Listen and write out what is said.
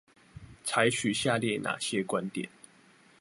採取下列那些觀點？